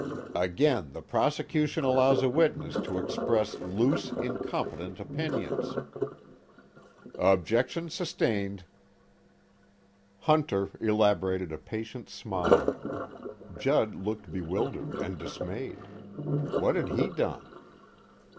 "Again the prosecution allows a witness to express loose, incompetent opinions." "Objection sustained." Hunter elaborated a patient smile. Judd looked bewildered and dismayed: what had he done?